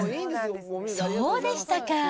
そうでしたか。